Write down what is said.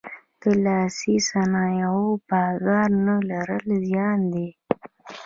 د لاسي صنایعو بازار نه لرل زیان دی.